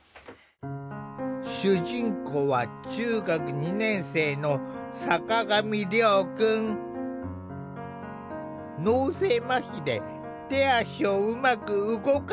主人公は中学２年生の脳性まひで手足をうまく動かせない。